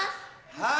はい！